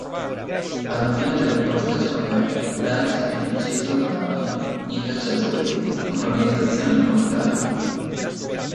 Alla fine della prima stagione, Darius viene ucciso dai "I Cacciatori", un'organizzazione di mortali.